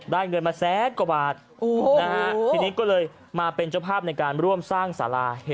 เงินมาแสนกว่าบาททีนี้ก็เลยมาเป็นเจ้าภาพในการร่วมสร้างสารา